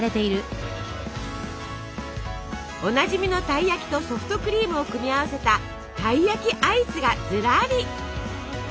おなじみのたい焼きとソフトクリームを組み合わせた「たい焼きアイス」がずらり。